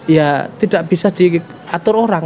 ya tidak bisa diatur orang